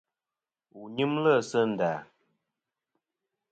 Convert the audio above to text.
Wu nyɨmlɨ sɨ nda ?